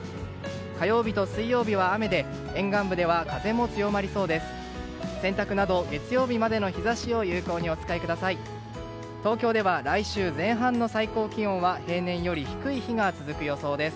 火曜日と水曜日は雨で沿岸部では風も強まりそうです。